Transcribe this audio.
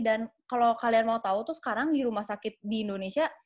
dan kalau kalian mau tahu tuh sekarang di rumah sakit di indonesia